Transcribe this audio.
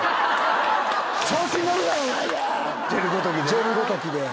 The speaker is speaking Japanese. ジェルごときでな。